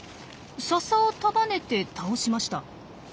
ササを束ねて倒しました。